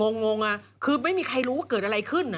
งงอ่ะคือไม่มีใครรู้ว่าเกิดอะไรขึ้น